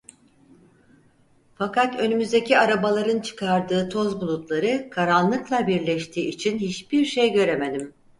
Fakat önümüzdeki arabaların çıkardığı toz bulutları karanlıkla birleştiği için hiçbir şey göremedim.